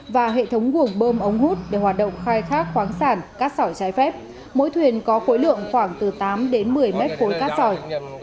và hệ thống gồm bơm ống hút để hoạt động khai thác khoáng sản cát sỏi trái phép mỗi thuyền có khối lượng khoảng từ tám đến một mươi mét khối cát sỏi